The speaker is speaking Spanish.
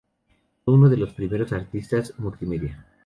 Fue uno de los primeros artistas multimedia.